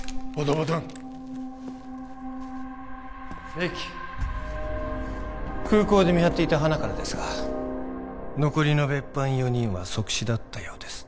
ベキ空港で見張っていたハナからですが残りの別班４人は即死だったようです